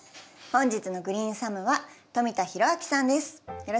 本日のグリーンサムは富田裕明さんです。